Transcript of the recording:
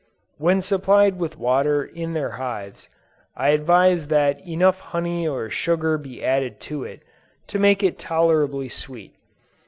When supplied with water in their hives, I advise that enough honey or sugar be added to it, to make it tolerably sweet.